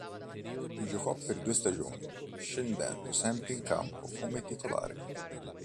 Vi giocò per due stagioni, scendendo sempre in campo come titolare.